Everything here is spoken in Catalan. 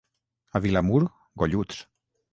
A Vilamur, golluts.